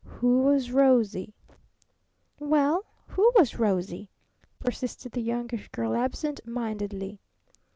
WHO WAS ROSIE?'" "Well, who was Rosie?" persisted the Youngish Girl absent mindedly.